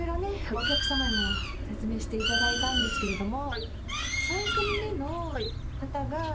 お客様にも説明していただいたんですけれども。